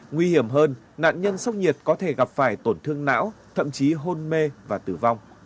nguy hiểm hơn nạn nhân sốc nhiệt có thể gặp phải tổn thương não thậm chí hôn mê và tử vong